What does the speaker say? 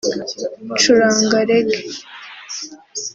ncuranga Reggae